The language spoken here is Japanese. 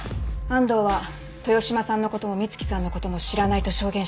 安藤は豊島さんのことも美月さんのことも知らないと証言してる。